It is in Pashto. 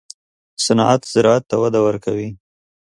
صنعت زراعت ته وده ورکوي